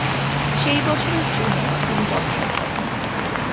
সেই বছরের জুনে তিনি পদত্যাগ করেন।